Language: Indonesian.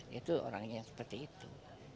itu orangnya seperti itu